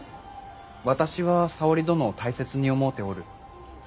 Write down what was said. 私は沙織殿を大切に思うておる。